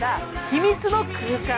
秘密の空間。